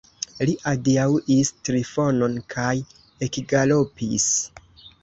Li adiaŭis Trifonon kaj ekgalopis.